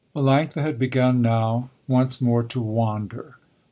Melanctha had begun now once more to wander.